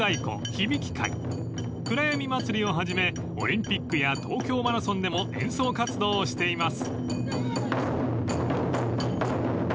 ［くらやみ祭をはじめオリンピックや東京マラソンでも演奏活動をしています］